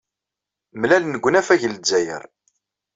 Mlalen deg unafag n Lezzayer.